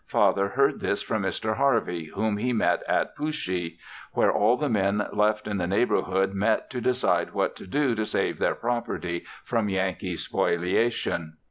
Father heard this from Mr. Harvey whom he met at Pooshee, where all the men left in the neighborhood met to decide what to do to save their property from Yankee spoliation.